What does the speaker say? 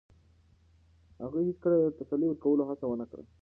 هغې هیڅکله د تسلي ورکولو هڅه ونه کړه.